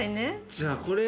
じゃあこれ。